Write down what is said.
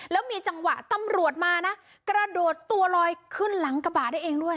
แล้วมีจังหวะตำรวจมานะกระโดดตัวลอยขึ้นหลังกระบะได้เองด้วย